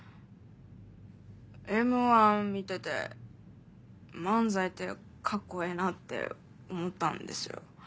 『Ｍ−１』見てて漫才ってカッコええなって思ったんですよ。